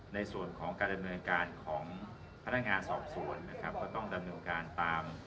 ในส่วนของการดำเนินการของพนักงานสอบสวนนะครับก็ต้องดำเนินการตาม